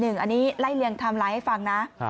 อันนี้ไล่เลี่ยงไทม์ไลน์ให้ฟังนะ